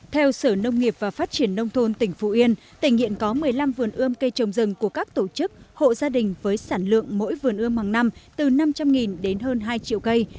theo sở nông nghiệp và phát triển nông thôn tỉnh phú yên tỉnh hiện có một mươi năm vườn ươm cây trồng rừng của các tổ chức hộ gia đình với sản lượng mỗi vườn ươm hàng năm từ năm trăm linh đến hơn hai triệu cây